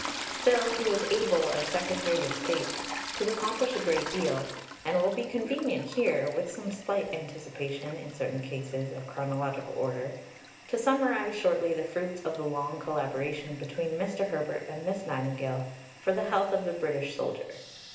Still he was able, as Secretary of State, to accomplish a great deal; and it will be convenient here, with some slight anticipation, in certain cases, of chronological order to summarize shortly the fruits of the long collaboration between Mr. Herbert and Miss Nightingale for the health of the British soldier.